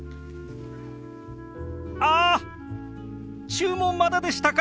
あ注文まだでしたか！